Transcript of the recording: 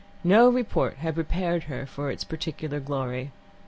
No report had prepared her for its peculiar glory.